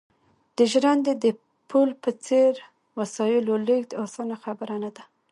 د ژرندې د پل په څېر وسایلو لېږد اسانه خبره نه ده